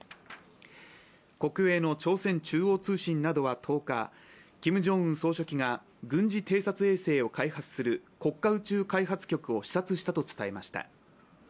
国営の朝鮮中央通信などは１０日、キム・ジョンウン総書記が軍事偵察衛星を開発する国家宇宙開発局を視察したと伝えました。